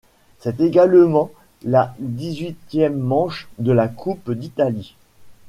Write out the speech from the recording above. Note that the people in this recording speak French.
C'est également la dix-huitième manche de la Coupe d'Italie.